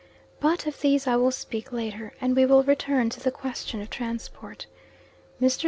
But of this I will speak later, and we will return to the question of transport. Mr.